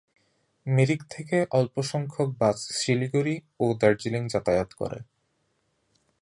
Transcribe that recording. মিরিক থেকে অল্পসংখ্যক বাস শিলিগুড়ি ও দার্জিলিং যাতায়াত করে।